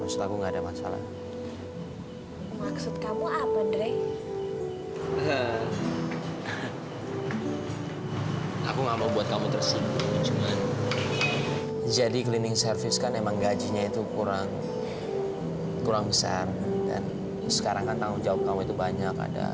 sampai jumpa di video selanjutnya